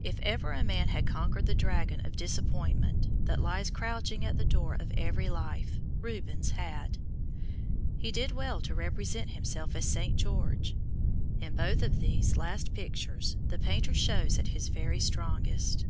If ever a man had conquered the dragon of disappointment, that lies crouching at the door of every life, Rubens had. He did well to represent himself as St. George. In both of these last pictures the painter shows at his very strongest.